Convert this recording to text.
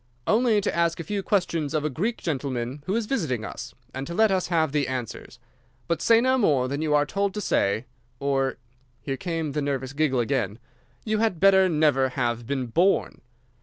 "'Only to ask a few questions of a Greek gentleman who is visiting us, and to let us have the answers. But say no more than you are told to say, or'—here came the nervous giggle again—'you had better never have been born.